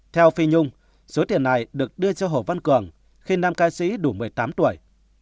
theo phi nhung số tiền này được đưa cho hồ văn cường khi nam ca sĩ đủ một mươi tám tuổi